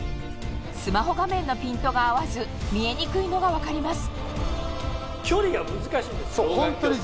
スマホ画面のピントが合わず見えにくいのが分かります